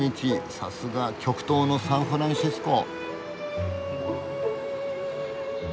さすが「極東のサンフランシスコ」。